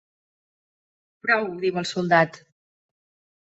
"Prou", diu el soldat.